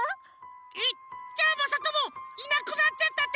えっじゃあまさともいなくなっちゃったってこと！？